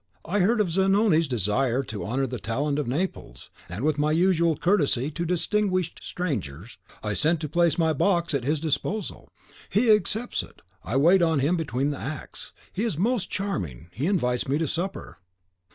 I heard of Zanoni's desire to honour the talent of Naples, and, with my usual courtesy to distinguished strangers, I sent to place my box at his disposal. He accepts it, I wait on him between the acts; he is most charming; he invites me to supper.